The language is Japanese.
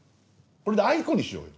これであいこにしようよ。